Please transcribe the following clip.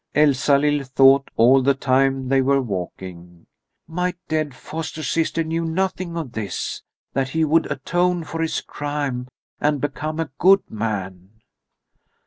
Elsalill thought, all the time they were walking: "My dead foster sister knew nothing of this, that he would atone for his crime and become a good man."